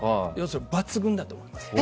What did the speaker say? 抜群だと思います。